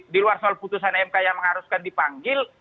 di luar soal putusan mk yang mengharuskan dipanggil